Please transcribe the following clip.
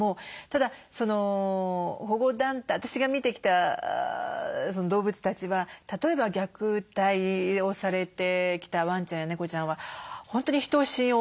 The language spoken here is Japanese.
ただ私が見てきた動物たちは例えば虐待をされてきたワンちゃんや猫ちゃんは本当に人を信用できない。